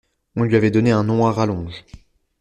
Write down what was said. On lui avait donné un nom à rallonge.